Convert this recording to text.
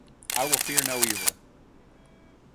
I will fear no evil.